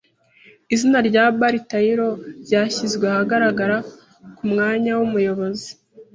Izina rya Barry Taylor ryashyizwe ahagaragara ku mwanya w'umuyobozi.